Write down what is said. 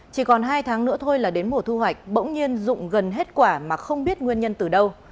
chỉ còn hai tháng nữa thôi là đến mùa thu hoạch bỗng nhiên dụng gần hết quả mà không biết nguyên nhân từ đâu